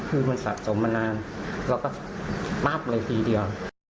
คือมันสะสมมานานแล้วก็ปั๊บเลยทีเดียว